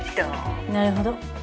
なるほど。